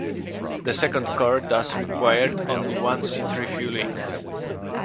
The second core thus required only one seed refueling.